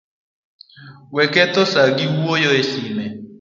We ketho saa gi wuoyo e sime